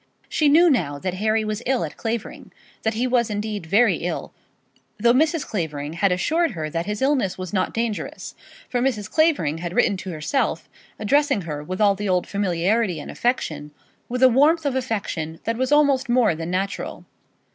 She knew now that Harry was ill at Clavering, that he was indeed very ill, though Mrs. Clavering had assured her that his illness was not dangerous. For Mrs. Clavering had written to herself, addressing her with all the old familiarity and affection, with a warmth of affection that was almost more than natural.